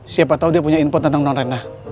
siapa tahu dia punya info tentang londrena